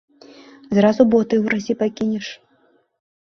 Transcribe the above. Зразу боты ў гразі пакінеш.